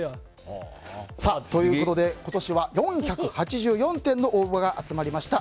ということで、今年は４８４点の応募が集まりました